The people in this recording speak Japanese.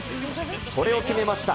これを決めました。